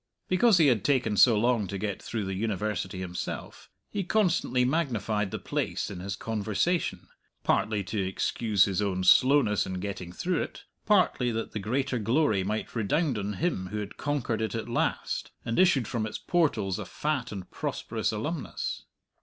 Because he had taken so long to get through the University himself, he constantly magnified the place in his conversation, partly to excuse his own slowness in getting through it, partly that the greater glory might redound on him who had conquered it at last, and issued from its portals a fat and prosperous alumnus.